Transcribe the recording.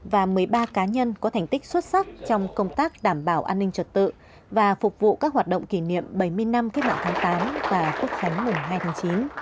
và một mươi ba cá nhân có thành tích xuất sắc trong công tác đảm bảo an ninh trật tự và phục vụ các hoạt động kỷ niệm bảy mươi năm kết mạng tháng tám và quốc khánh mùng hai tháng chín